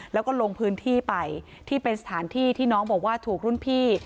แล้วก็ลงพื้นที่ไปที่เป็นสถานที่ที่น้องบอกว่าถูกรุ่นพี่